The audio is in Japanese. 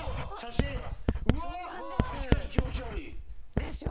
確かに気持ち悪い。でしょ？